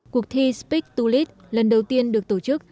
cuộc thi speed to lead lần đầu tiên được tổ chức